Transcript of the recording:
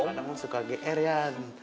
padahal kamu suka gr yan